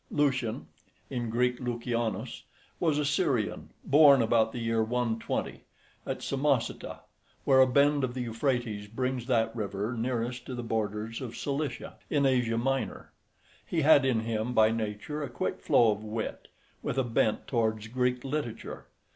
Lucian, in Greek Loukianos, was a Syrian, born about the year 120 at Samosata, where a bend of the Euphrates brings that river nearest to the borders of Cilicia in Asia Minor. He had in him by nature a quick flow of wit, with a bent towards Greek literature.